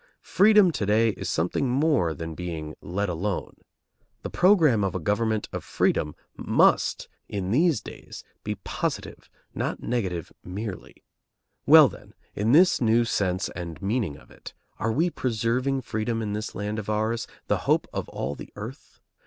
Freedom to day is something more than being let alone. The program of a government of freedom must in these days be positive, not negative merely. Well, then, in this new sense and meaning of it, are we preserving freedom in this land of ours, the hope of all the earth?